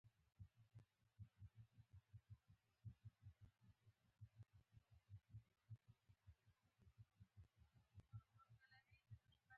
ته پر موږ باندې مهربانه شه، قرضداران خلاص کړه.